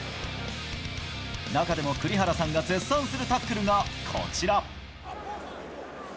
中でも栗原さんが絶賛するタックルがこちら。